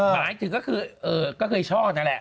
หมายถึงก็คือเออก็คืออีช่อนั่นแหละ